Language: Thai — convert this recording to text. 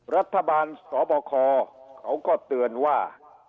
รัฐบาลสบคเขาก็เตือนว่า